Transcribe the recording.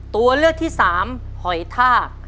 ตัวเลือกที่สามหอยทาก